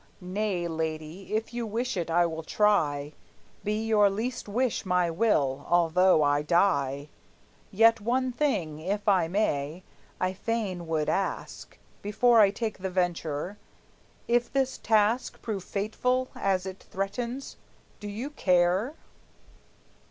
"Nay, lady, if you wish it I will try; Be your least wish my will, although I die! Yet one thing, if I may, I fain would ask, Before I make the venture; if this task Prove fateful as it threatens, do you care?"